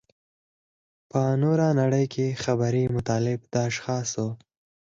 په نوره نړۍ کې خبري مطالب د اشخاصو.